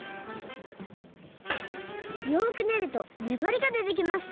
よくねるとねばりがでてきました